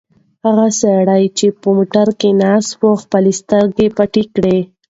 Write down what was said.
هغه سړی چې په موټر کې ناست و خپلې سترګې پټې کړې.